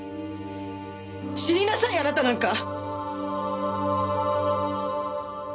死になさいあなたなんか。